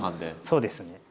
そうですね。